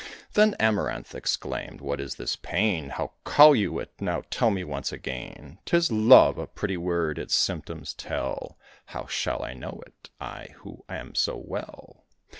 Then Amaranth exclaimed, "What is this pain? How call you it? now, tell me once again!" "'Tis Love!" "A pretty word, its symptoms tell: How shall I know it I, who am so well?"